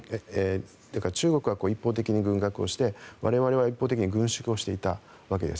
中国は一方的に軍拡をして我々は一方的に軍縮をしていたわけです。